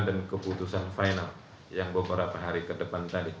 dan keputusan final yang beberapa hari ke depan tadi